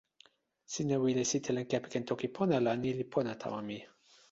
sina wile sitelen kepeken Toki Pona la ni li pona tawa mi.